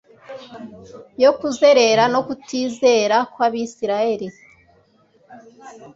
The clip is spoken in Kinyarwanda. yo kuzerera no kutizera kwAbisirayeli